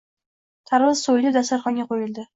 Tarvuz soʻyilib, dasturxonga qoʻyildi